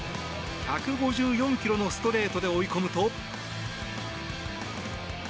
１５４ｋｍのストレートで追い込むと。